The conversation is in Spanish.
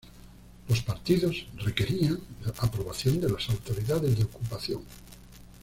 Los partidos requerían la aprobación de las autoridades de ocupación.